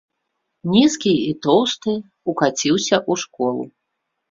Нізкі і тоўсты ўкаціўся ў школу.